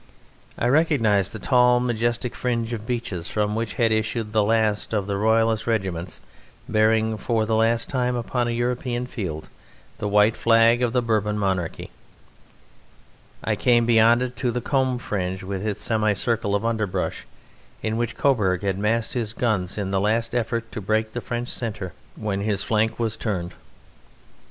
I recognized the tall majestic fringe of beeches from which had issued the last of the Royalist regiments bearing for the last time upon a European field the white flag of the Bourbon Monarchy; I came beyond it to the combe fringed with its semicircle of underbrush in which Coburg had massed his guns in the last effort to break the French centre when his flank was turned.